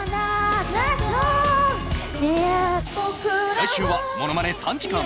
来週はものまね３時間